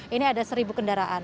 ini ada seribu kendaraan